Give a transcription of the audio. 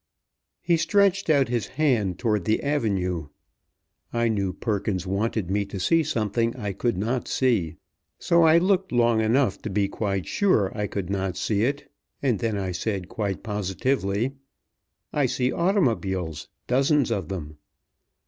He stretched out his hand toward the avenue. I knew Perkins wanted me to see something I could not see, so I looked long enough to be quite sure I could not see it; and then I said, quite positively, "I see automobiles dozens of them."